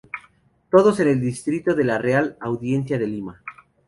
Todos en el distrito de la Real Audiencia de Lima.